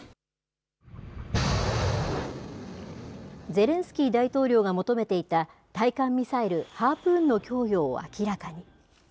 ゼレンスキー大統領が求めていた対艦ミサイル、ハープーンの供与を明らかに。